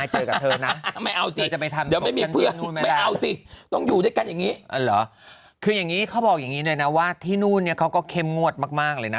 คืออย่างนี้เขาบอกอย่างนี้เลยนะว่าที่นู่นเนี่ยเขาก็เข้มงวดมากเลยนะ